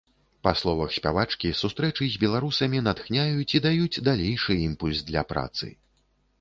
Па словах спявачкі, сустрэчы з беларусамі натхняюць і даюць далейшы імпульс для працы.